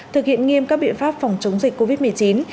thực hiện nghiêm các biện pháp phòng chống dịch covid một mươi chín